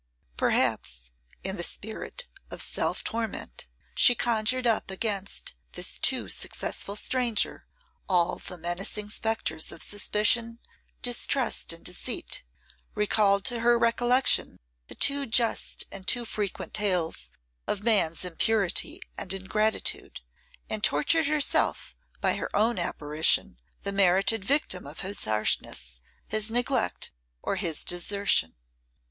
Perhaps, in the spirit of self torment, she conjured up against this too successful stranger all the menacing spectres of suspicion, distrust, and deceit; recalled to her recollection the too just and too frequent tales of man's impurity and ingratitude; and tortured herself by her own apparition, the merited victim of his harshness, his neglect, or his desertion.